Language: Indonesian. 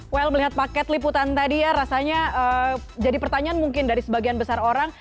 well melihat paket liputan tadi ya rasanya jadi pertanyaan mungkin dari sebagian besar orang